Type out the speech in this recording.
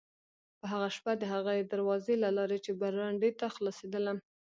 په هغه شپه د هغې دروازې له لارې چې برنډې ته خلاصېدله.